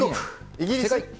イギリス。